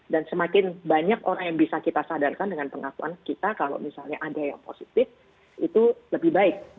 dan semakin banyak orang yang bisa kita sadarkan dengan pengakuan kita kalau misalnya ada yang positif itu lebih baik